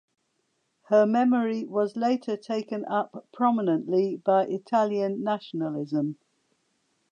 Her memory was later taken up prominently by Italian nationalism.